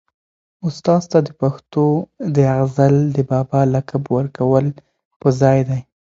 استاد ته د پښتو د غزل د بابا لقب ورکول په ځای دي.